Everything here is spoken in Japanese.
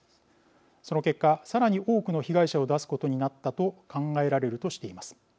その結果さらに多くの被害者を出すことになったと考えられるとしています。